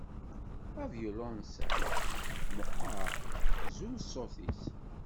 Avyulunsal meqqer, zur ṣṣut-is.